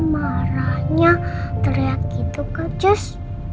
marahnya teriak gitu kecus